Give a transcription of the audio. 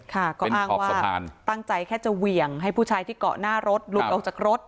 ค่ะก็อ้างว่าตั้งใจแค่จะเหวี่ยงให้ผู้ชายที่เกาะหน้ารถหลุดออกจากรถ